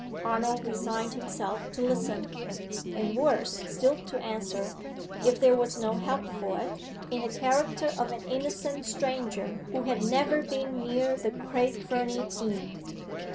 Arnold resigned himself to listen, and worse still to answer, if there was no help for it, in the character of an innocent stranger who had never been near the Craig Fernie inn.